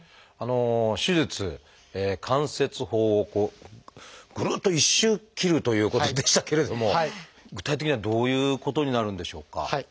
手術関節包をぐるっと一周切るということでしたけれども具体的にはどういうことになるんでしょうか？